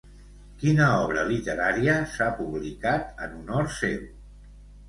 Quina obra literària s'ha publicat en honor seu?